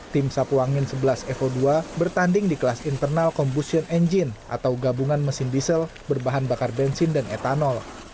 tim sapuangin sebelas evo dua bertanding di kelas internal combustion engine atau gabungan mesin diesel berbahan bakar bensin dan etanol